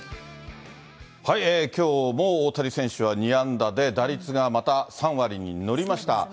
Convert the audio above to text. きょうも大谷選手は２安打で打率がまた３割に乗りました。